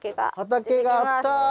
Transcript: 畑があった！